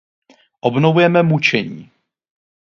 Obnovujeme mučení.